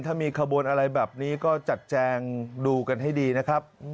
ถ้ามีขบวนอะไรแบบนี้ก็จัดแจงดูกันให้ดีนะครับ